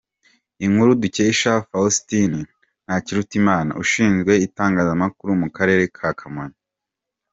Inkuru dukesha Faustin Ntakirutimna, Ushinzwe Itangazamakuru mu Karere ka Kamonyi.